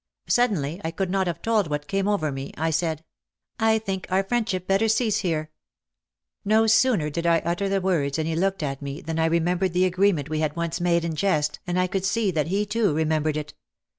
Suddenly I could not have told what came over me. I said: "I think our friendship better cease here. ,, No sooner did I utter the words and he looked at me than I remembered the agreement we had once made in jest and I could see that he too remembered it.